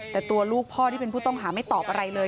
แต่ตัวลูกพ่อที่เป็นผู้ต้องหาไม่ตอบอะไรเลย